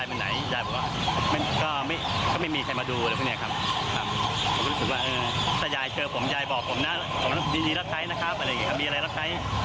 มีอะไรรับใช้ตัวหมาผมหน้าอะไรอย่างนี้ครับ